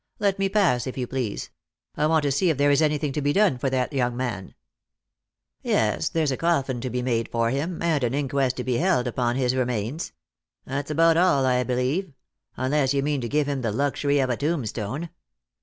Let me pass, if you please ; I want to see if there is anything to be done for that young man." " Yes, there's a coffin to be made for him, and an inquest to be held upon his remains. That's about all, I believe ; unless you mean to give him the luxury of a tombstone."